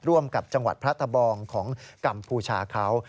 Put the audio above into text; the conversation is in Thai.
ร่วมกับจังหวัดพระตะบองของกัมพูชาเขา